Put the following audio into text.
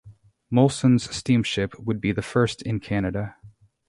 Molson's steamship would be the first in Canada.